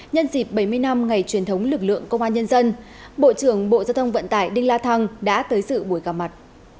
nhân dịp bảy mươi năm ngày truyền thống lực lượng công an nhân dân bộ trưởng bộ giao thông vận tải đinh la thăng đã tới sự buổi gặp mặt